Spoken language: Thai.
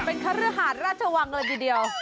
เป็นพระเรือหาดราชวังเลยอยู่เดียว